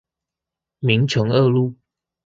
明誠二路